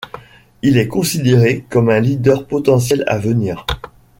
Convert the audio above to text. Il est considéré comme un leader potentiel à venir.